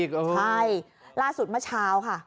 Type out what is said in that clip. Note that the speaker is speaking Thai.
ใช่ล่าสุดเมื่อเช้าค่ะ